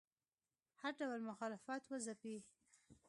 هر ډول مخالفت وځپي